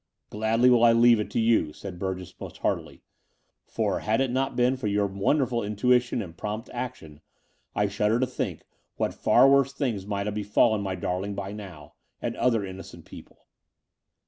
Gladly will I leave it to you," said Burgess most heartily; *'for, had it not been for your wonderful intuition and prompt action, I shudder to think what far worse things might have befallen my darling by now — ^and other innocent people."